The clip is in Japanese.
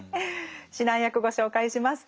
指南役ご紹介します。